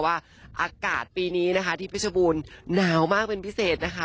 อากาศปีนี้นะคะที่เพชรบูรณ์หนาวมากเป็นพิเศษนะคะ